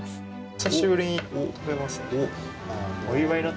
久しぶりに食べますね。